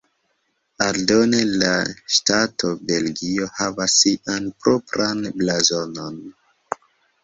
Aldone la ŝtato Belgio havas sian propran blazonon.